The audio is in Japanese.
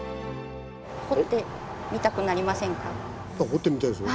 掘ってみたいですよ。